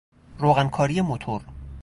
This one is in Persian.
روغن کاری موتور